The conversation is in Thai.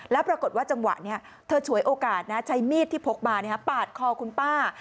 แล้วปรากฏว่าจังหวะนี้เธอฉวยโอกาสใช้มีดที่พกมาปาดคอคุณป้า